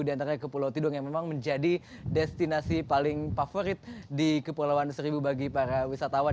di antara kepulau tidung yang memang menjadi destinasi paling favorit di kepulauan seribu bagi para wisatawan